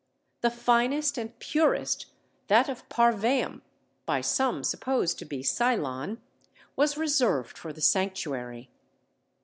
The finest and purest that of Parvaim, by some supposed to be Ceylon was reserved for the sanctuary.